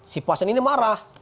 si pasien ini marah